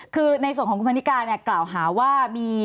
คือในส่วนของคุณพันนิกาเนี่ยกล่าวหาว่ามี